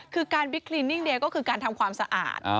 คือการวิกลินก็คือการทำความสะอาด